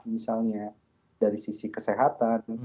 misalnya dari sisi kesehatan